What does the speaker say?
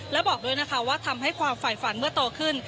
และบอกด้วยนะคะว่าทำให้ความฝ่ายฝันเมื่อโตขึ้น